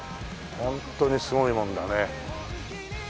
ホントにすごいもんだね。